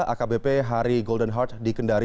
akbp hari golden heart di kendari